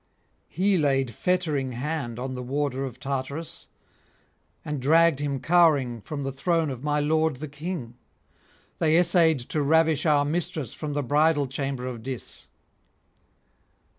He laid fettering hand on the warder of Tartarus, and dragged him cowering from the throne of my lord the King; they essayed to ravish our mistress from the bridal chamber of Dis.'